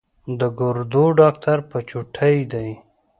د ګردو ډاکټر په چوټۍ دی